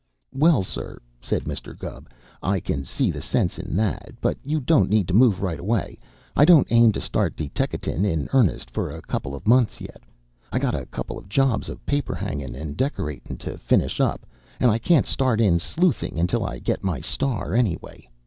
"Well, sir," said Mr. Gubb, "I can see the sense of that. But you don't need to move right away. I don't aim to start in deteckating in earnest for a couple of months yet. I got a couple of jobs of paper hanging and decorating to finish up, and I can't start in sleuthing until I get my star, anyway.